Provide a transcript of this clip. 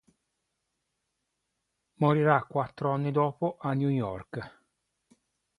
Morirà quattro anni dopo a New York.